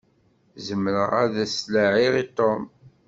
Zemreɣ ad s-laɛiɣ i Tom.